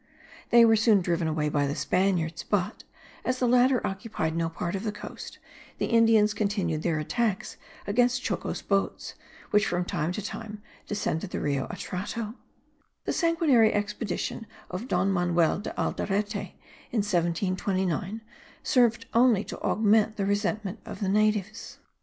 They were soon driven away by the Spaniards but, as the latter occupied no part of the coast, the Indians continued their attacks against Choco's boats, which from time to time descended the Rio Atrato, The sanguinary expedition of Don Manuel de Aldarete in 1729 served only to augment the resentment of the natives.